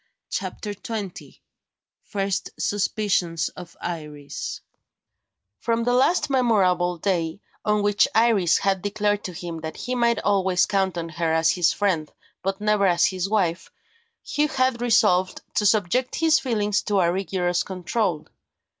CHAPTER XX FIRST SUSPICIONS OF IRIS FROM the last memorable day, on which Iris had declared to him that he might always count on her as his friend, but never as his wife, Hugh had resolved to subject his feelings to a rigorous control.